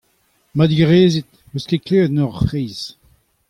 Ma digarezit, ne'm eus ket klevet ac'hanoc'h fraezh.